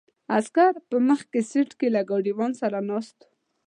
عسکر په مخکې سیټ کې له ګاډیوان سره ناست وو.